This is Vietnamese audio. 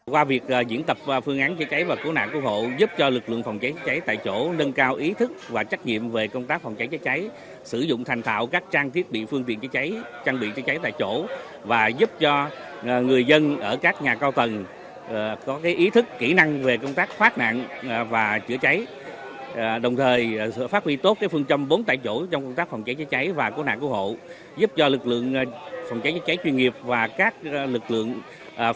qua việc diễn tập phương án chữa cháy và cứu nạn cứu hộ giúp cho lực lượng phòng cháy chữa cháy tại chỗ nâng cao ý thức và trách nhiệm về công tác phòng cháy chữa cháy sử dụng thành thạo các trang thiết bị phương tiện chữa cháy trang bị chữa cháy tại chỗ và giúp cho người dân ở các nhà cao tầng có ý thức kỹ năng về công tác phát nạn và chữa cháy đồng thời phát huy tốt phương châm bốn tại chỗ trong công tác phòng cháy chữa cháy và cứu nạn cứu hộ giúp cho lực lượng phòng cháy chữa cháy chuyên nghiệp và các lực lượng phòng ch